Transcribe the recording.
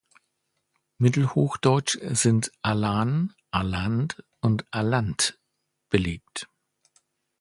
Mittelhochdeutsch sind "alan", "aland" und "alant" belegt.